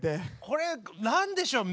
これ何でしょう？